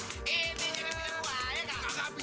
kita beneran anak anak